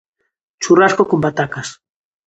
Churrasco con patacas.